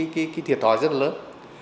cái thiệt hỏi rất là lớn